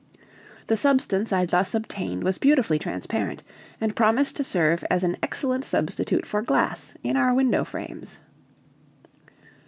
The substance I thus obtained was beautifully transparent, and promised to serve as an excellent substitute for glass in our window frames.